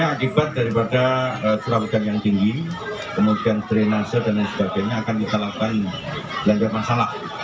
akibat daripada curah hujan yang tinggi kemudian drenase dan lain sebagainya akan kita lakukan yang bermasalah